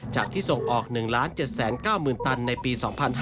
ที่ส่งออก๑๗๙๐๐ตันในปี๒๕๕๙